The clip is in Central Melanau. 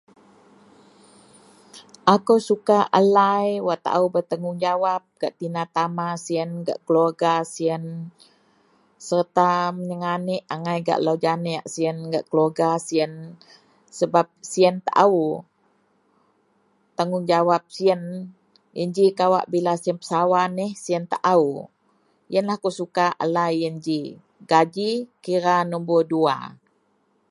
Akou suka a lai wak taou bertanggungjawab gak tina tama siyen, gak keluarga siyen sereta menyaganek angai gak lou janeak siyen gak keluarga siyen sebab siyen taou tanggungjawab siyen. Yen ji kawak bila siyen pesawa neh siyen taou. Yenlah akou suka a lai yen ji. Gaji kira nubur duwa.